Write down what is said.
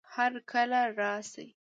هرکله راشه